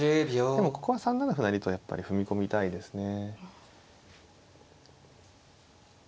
でもここは３七歩成とやっぱり踏み込みたいですね。